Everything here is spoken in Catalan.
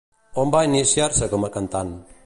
On va iniciar-se com a cantant?